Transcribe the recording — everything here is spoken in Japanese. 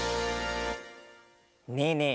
ねえねえ